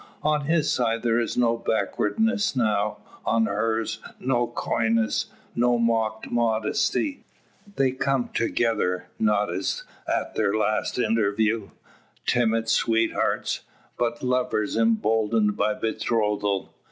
On his side there is no backwardness now; on hers no coyness, no mock modesty. They come together not as at their last interview, timid sweethearts, but lovers emboldened by betrothal.